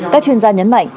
các chuyên gia nhấn mạnh